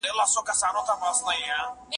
پسرلی د عشق راخور کړه